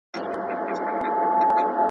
که وخت وي پلان جوړوم